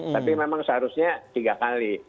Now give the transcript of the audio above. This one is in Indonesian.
tapi memang seharusnya tiga kali